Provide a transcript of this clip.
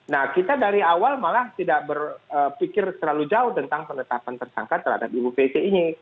nah kita dari awal malah tidak berpikir terlalu jauh tentang penetapan tersangka terhadap ibu pc ini